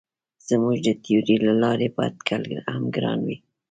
زموږ د تیورۍ له لارې به اټکل هم ګران وي.